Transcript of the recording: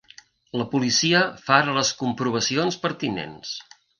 La policia fa ara les comprovacions pertinents.